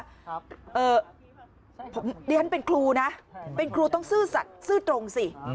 เดี๋ยวฉันเป็นครูนะเป็นครูต้องซื่อสัตว์ซื่อตรงสิ